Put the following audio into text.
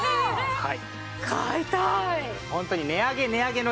はい。